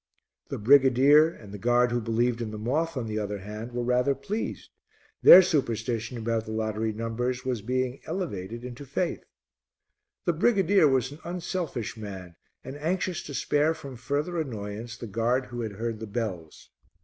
The brigadier and the guard who believed in the moth, on the other hand, were rather pleased, their superstition about the lottery numbers was being elevated into faith. The brigadier was an unselfish man and anxious to spare from further annoyance the guard who had heard the bells.